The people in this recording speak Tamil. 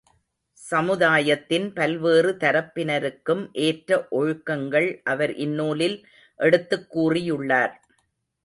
சமுதாயத்தின் பல்வேறு தரப்பினருக்கும் ஏற்ற ஒழுக்கங்களை அவர் இந்நூலில் எடுத்துக் கூறியுள்ளார்.